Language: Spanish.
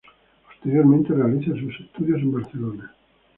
Posteriormente realiza sus estudios en Barcelona.